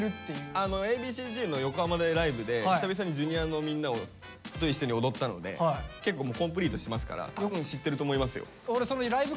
あのＡ．Ｂ．Ｃ−Ｚの横浜のライブで久々にＪｒ．のみんなと一緒に踊ったので結構もうコンプリートしてますから多分知ってると思いますよ。